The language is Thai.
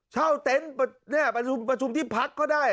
เต็นต์ประชุมที่พักก็ได้